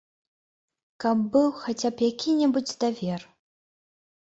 Каб быў хаця б які-небудзь давер.